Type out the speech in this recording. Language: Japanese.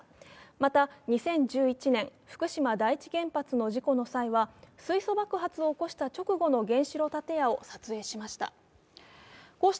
また２０１１年、福島第一原発の事故の際は水素爆発を起こした直後の原子炉建屋を撮影しました。